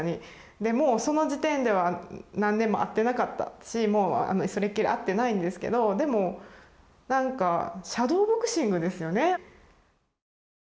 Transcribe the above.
でもうその時点では何年も会ってなかったしもうそれっきり会ってないんですけどでもなんかシャドーボクシングですよね。